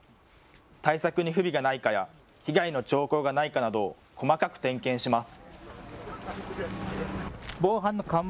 対策に不備がないかや、被害の兆候がないかなど、細かく点検します。